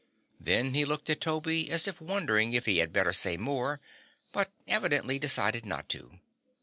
Then he looked at Toby as if wondering if he had better say more, but evidently decided not to.